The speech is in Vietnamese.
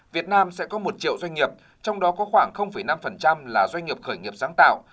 việt nam sẽ có một triệu doanh nghiệp trong đó có khoảng năm là doanh nghiệp khởi nghiệp sáng tạo